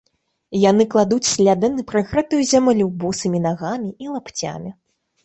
Яны кладуць сляды на прыгрэтую зямлю босымі нагамі і лапцямі.